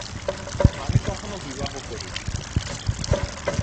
আমি কখনও বিবাহ করি নাই।